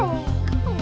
keh keh keh